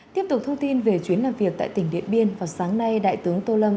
tiếp tục thông tin về chuyến làm việc tại tỉnh điện biên vào sáng nay đại tướng tô lâm